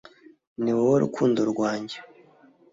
ni wowe rukundo rwanjye,